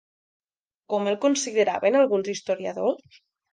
Com el consideraven alguns historiadors?